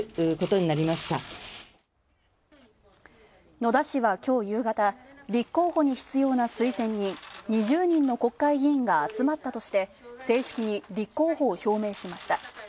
野田氏は、きょう夕方、立候補に必要な推薦人、２０人の国会議員が集まったとして正式に立候補を表明しました。